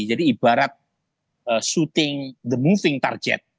jadi ibarat syuting the moving target